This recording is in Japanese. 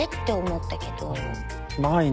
て思ったけど。